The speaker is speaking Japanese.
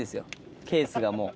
ケースがもう。